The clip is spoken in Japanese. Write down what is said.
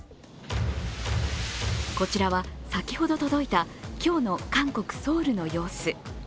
こちらは先ほど届いた今日の韓国ソウルの様子。